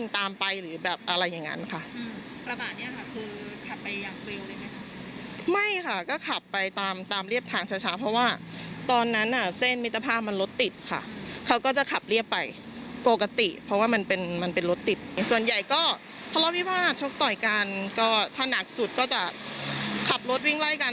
แต่ก็ทะเลาะวิบาลชกต่อยกันถนักสุดก็จะขับรถวิ่งไล่กัน